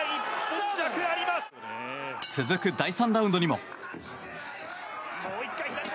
続く第３ラウンドにも。